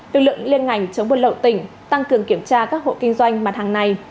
lực lượng liên ngành chống buôn lậu tỉnh tăng cường kiểm tra các hộ kinh doanh mặt hàng này